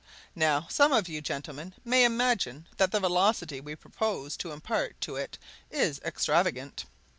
Now some of you, gentlemen, may imagine that the velocity we propose to impart to it is extravagant.